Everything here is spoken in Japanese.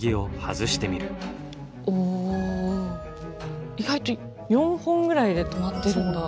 お意外と４本ぐらいで留まってるんだ。